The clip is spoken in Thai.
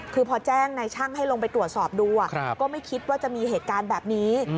คือพอแจ้งในช่างให้ลงไปตรวจสอบดูก็ไม่คิดว่าจะมีเหตุการณ์แบบนี้